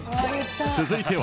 ［続いては］